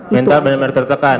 mental benar benar tertekan